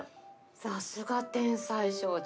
さすが天才少女。